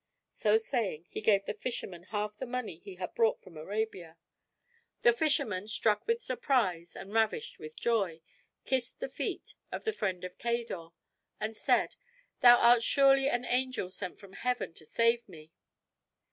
So saying, he gave the fisherman half the money he had brought from Arabia. The fisherman, struck with surprise and ravished with joy, kissed the feet of the friend of Cador, and said, "Thou art surely an angel sent from Heaven to save me!"